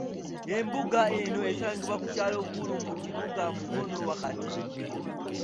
Embuga eno esangibwa ku kyalo Ggulu mu kibuga Mukono wakati.